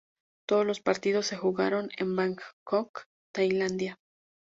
Todos los partidos se jugaron en Bangkok, Tailandia.